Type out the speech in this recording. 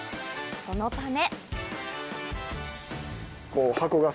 そのため。